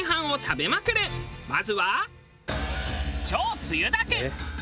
まずは。